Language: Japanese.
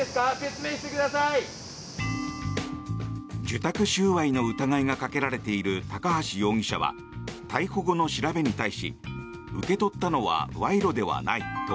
受託収賄の疑いがかけられている高橋容疑者は逮捕後の調べに対し受け取ったのは賄賂ではないと